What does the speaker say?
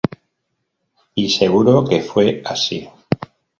Y seguro que fue así.